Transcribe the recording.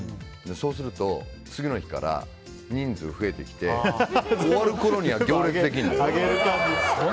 そうすると、次の日から人数が増えてきて終わるころには行列ができる。